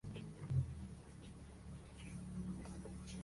Actualmente la isla está deshabitada y es visitada raramente.